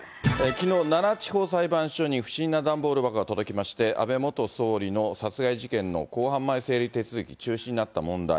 きのう、奈良地方裁判所に不審な段ボール箱が届きまして、安倍元総理の殺害事件の公判前整理手続き、中止になった問題。